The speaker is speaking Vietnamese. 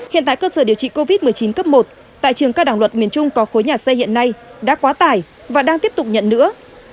hiện tại cơ sở điều trị covid một mươi chín cấp một tại trường cao đẳng luật miền trung có khối nhà xe hiện nay đã quá tải và đang tiếp tục nhận nữa